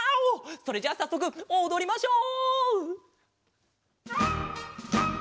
それじゃあさっそくおどりましょう！